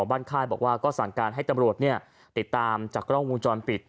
ค่ายบอกว่าก็สั่งการให้ตำรวจติดตามจากกล้องวงจรปิด